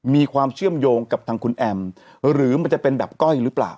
มีความเชื่อมโยงกับทางคุณแอมหรือมันจะเป็นแบบก้อยหรือเปล่า